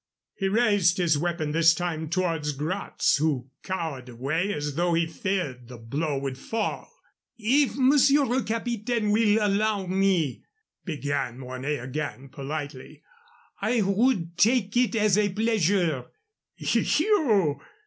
He raised his weapon this time towards Gratz, who cowered away as though he feared the blow would fall. "If Monsieur le Capitaine will allow me," began Mornay again, politely, "I would take it as a pleasure " "You!"